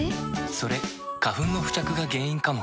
それ花粉の付着が原因かも。